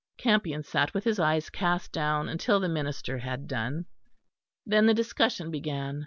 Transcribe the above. Campion sat with his eyes cast down, until the minister had done. Then the discussion began.